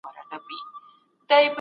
ما به په مجلو کي د لنډو کیسو برخې لوستې.